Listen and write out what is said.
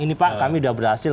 ini pak kami sudah berhasil